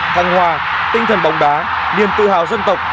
thăng hoa tinh thần bóng đá niềm tư hào dân tộc